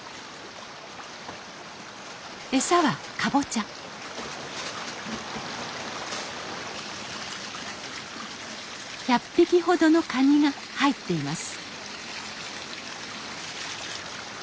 餌はかぼちゃ１００匹ほどのカニが入っています